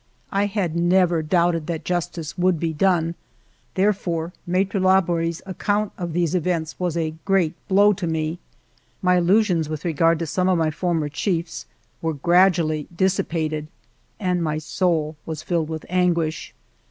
I had never doubted that justice would be done, therefore Maitre Labori's account of these events was a great blow to me. My illusions with regard to some of my former chiefs were gradually dissi pated, and my soul was filled with anguish.